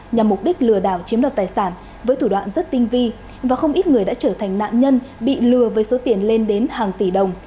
nhằm mục đích lừa đảo chiếm đoạt tài sản với thủ đoạn rất tinh vi và không ít người đã trở thành nạn nhân bị lừa với số tiền lên đến hàng tỷ đồng